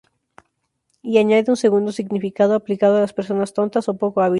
Y añade un segundo significado aplicado a las personas tontas o poco hábiles.